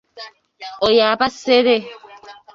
Oyo aba ssere.